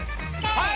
はい！